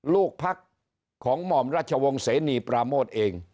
ลูกพักของหม่อมราชวงศ์เสนีปราโมทเอง